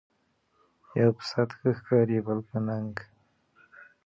ـ يو په سعت ښه ښکاري بل په نه خوراک